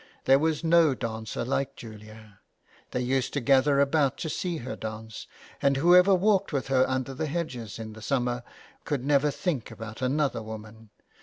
There was no dancer like Julia; they used to gather about to see her dance, and whoever walked with her under the hedges in the summer, could never think about another woman.